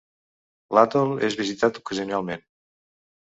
L'atol és visitat ocasionalment.